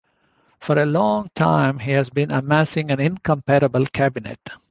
For a long time he has been amassing an incomparable "cabinet".